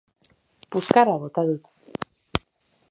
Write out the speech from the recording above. Puzkarra bota dut.